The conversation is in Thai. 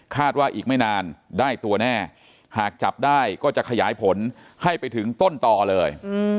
ว่าอีกไม่นานได้ตัวแน่หากจับได้ก็จะขยายผลให้ไปถึงต้นต่อเลย